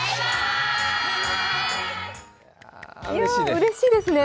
うれしいですね。